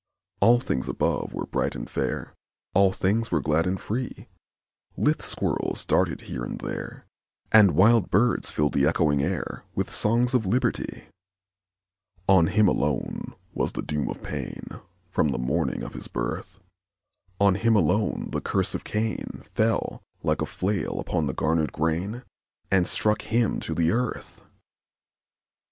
All things above were bright and fair, All things were glad and free; Lithe squirrels darted here and there, And wild birds filled the echoing air With songs of Liberty! On him alone was the doom of pain, From the morning of his birth; On him alone the curse of Cain Fell, like a flail on the garnered grain, And struck him to the earth!